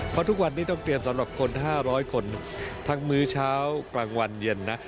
เพราะทุกวันนี้ต้องเตรียมสำหรับคน๕๐๐คนทั้งมื้อเช้ากลางวันเย็นนะ